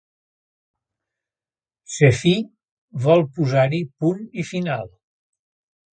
Sephie vol posar-hi punt i final.